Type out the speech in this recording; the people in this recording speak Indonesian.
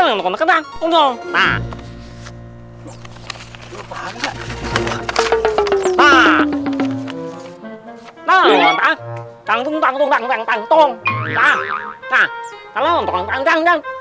sampai jumpa lagi di video selanjutnya